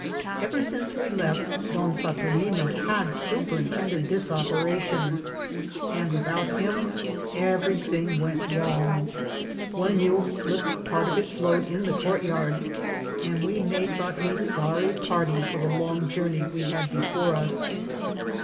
Ever since we left, Don Saturnine had superintended this operation, and without him everything wenl wrong One mule slipped part of its load in the courtyard, and we made but a sorry party for the long journey we had before us.